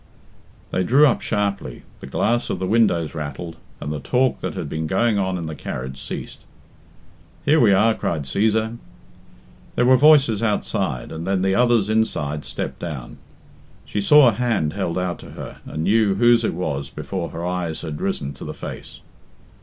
They drew up sharply, the glass of the windows rattled, and the talk that had been going on in the carriage ceased. "Here we are," cried Cæsar; there were voices outside, and then the others inside stepped down. She saw a hand held out to her and knew whose it was before her eyes had risen to the face.